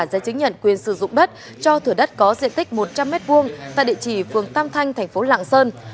giấy chứng nhận quyền sử dụng đất cho thửa đất có diện tích một trăm linh m hai tại địa chỉ phường tam thanh thành phố lạng sơn